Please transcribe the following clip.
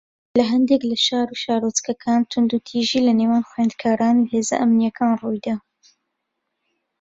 لە ھەندێک لە شار و شارۆچکەکان توندوتیژی لەنێوان خوێندکاران و هێزە ئەمنییەکان ڕووی دا